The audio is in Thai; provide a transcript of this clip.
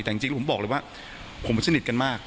แต่จริงแล้วผมบอกเลยว่าผมสนิทกันมาก